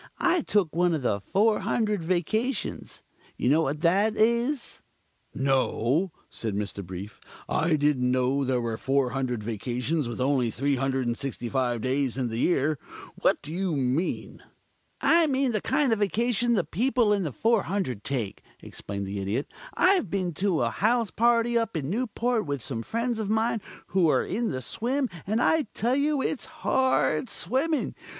I took one of the 400 Vacations. Know what that is?" "No," said Mr. Brief. "I didn't know there were 400 Vacations with only 365 days in the year. What do you mean?" "I mean the kind of Vacation the people in the 400 take," explained the Idiot. "I've been to a house party up in Newport with some friends of mine who're in the swim, and I tell you it's hard swimming.